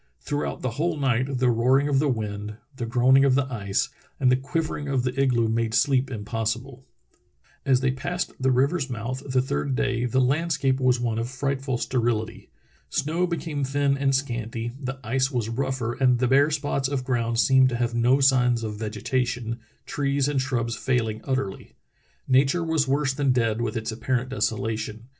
Throughout the whole night the roaring of the wind, the groaning of the ice, and the quivering of the igloo made sleep impossible. As they passed the river's mouth the third day the landscape was one of frightful sterility. Snow became thin and scanty, the ice was rougher, and the bare spots of ground seemed to have no signs of vegetation, trees and shrubs failing utterl}^. Nature was worse than dead with its apparent desolation.